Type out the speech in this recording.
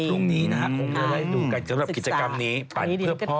ตรงนี้นะครับตรงตรงไหนดูกันสำหรับกิจกรรมนี้ปั่นเพื่อพ่อ